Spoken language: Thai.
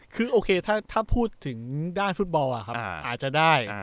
คือโอเคถ้าพูดถึงด้านฟุตบอลอาจจะได้